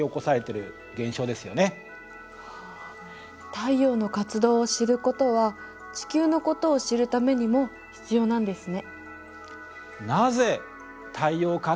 太陽の活動を知ることは地球のことを知るためにも必要なんですね。